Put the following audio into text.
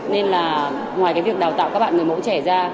nên là ngoài cái việc đào tạo các bạn người mẫu trẻ ra